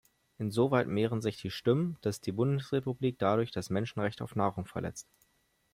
Insoweit mehren sich die Stimmen, dass die Bundesrepublik dadurch das Menschenrecht auf Nahrung verletzt.